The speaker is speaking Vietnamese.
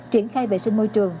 triển khai vệ sinh môi trường